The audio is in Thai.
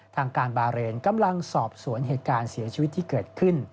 ทางการบาเรนกำลังสอบสวนเหตุการณ์เสียชีวิตที่เกิดขึ้น